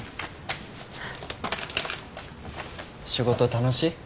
仕事楽しい？